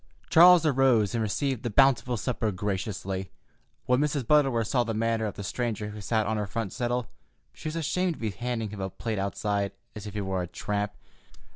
Charles arose and received the bountiful supper graciously. When Mrs. Butterworth saw the manner of the stranger who sat on her front settle she was ashamed to be handing him a plate outside, as if he were a tramp.